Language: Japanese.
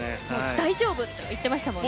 大丈夫と言っていましたもんね。